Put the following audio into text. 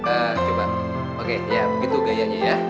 eee coba oke ya begitu gayanya ya